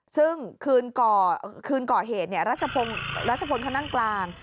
ซึ่งคืนก่อเหตุรัชพลเขานั่งกลาง